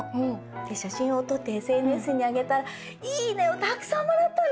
で写真を撮ってＳＮＳにあげたら「いいね！」をたくさんもらったの！